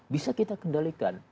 bisa kita kendalikan